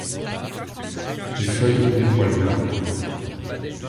Les feuilles ont des poils blancs.